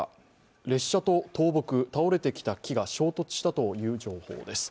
列車と倒木、倒れてきた木が衝突したという情報です。